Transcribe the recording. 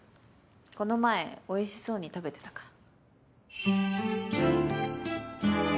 この前おいしそうに食べてたから。